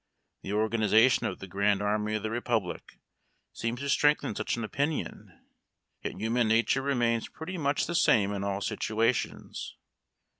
The organization of the Grand Army of the Republic seems to strengthen such an opinion, yet human nature remains pretty much the same in all situations.